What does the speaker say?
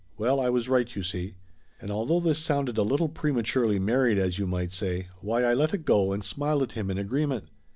Well, I was right, you see!" And although this sounded a little prematurely mar ried as you might say, why I let it go and smiled at him in agreement.